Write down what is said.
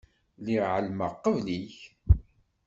Lliɣ ɛelmeɣ qbel-ik.